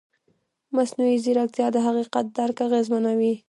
مصنوعي ځیرکتیا د حقیقت درک اغېزمنوي.